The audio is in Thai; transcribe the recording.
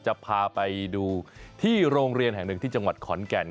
จะพาไปดูที่โรงเรียนแห่งหนึ่งที่จังหวัดขอนแก่น